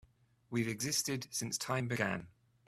We've existed since time began.